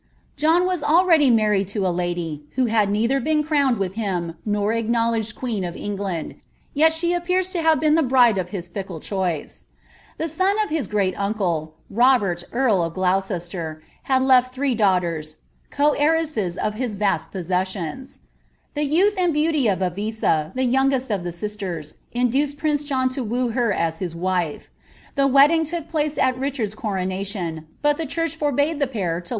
John was already married to a lady who had neither been crnwM with him, nor acknowledged queen of England ; yet she appean tl have been the bride of his fickle choice. The son of hi* gu m urn It. Robert earl of Gloucester,' had left lliree daughters, ccr lii ^. vaal possessintM. The youth and beauty of Aviso, the \i< sisters, induced prince John lo woo her as his wife. The place at Richard^s coronation, but the church forbade tliu ;.